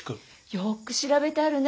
よくしらべてあるね。